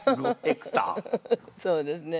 そうですね。